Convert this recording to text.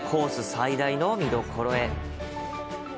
最大の見どころへ。